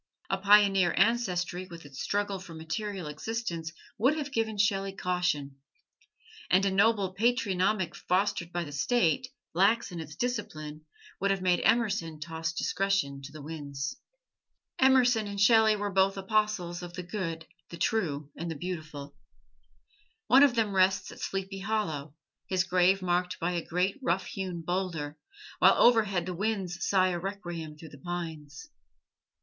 A pioneer ancestry with its struggle for material existence would have given Shelley caution; and a noble patronymic, fostered by the State, lax in its discipline, would have made Emerson toss discretion to the winds. Emerson and Shelley were both apostles of the good, the true and the beautiful. One of them rests at Sleepy Hollow, his grave marked by a great rough hewn boulder, while overhead the winds sigh a requiem through the pines.